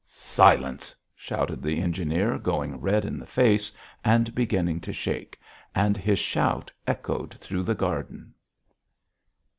"Silence!" shouted the engineer, going red in the face, and beginning to shake, and his shout echoed through the garden.